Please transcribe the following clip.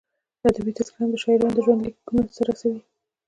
ادبي تذکرې هم د شاعرانو ژوندلیکونه رسوي.